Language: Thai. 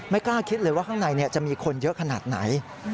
กล้าคิดเลยว่าข้างในจะมีคนเยอะขนาดไหน